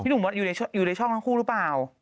หนุ่มอยู่ในช่องทั้งคู่หรือเปล่า